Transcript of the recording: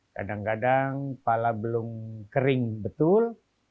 kadang kadang pala belum kering betul